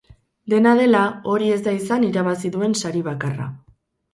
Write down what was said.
Dena dela, hori ez da izan irabazi duen sari bakarra.